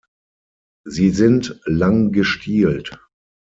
Sie sind lang gestielt.